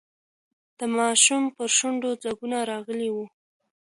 د ماشوم پر شونډو ځگونه راغلي وو.